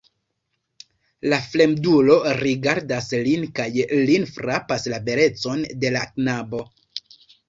La fremdulo rigardas lin kaj lin frapas la beleco de la knabo.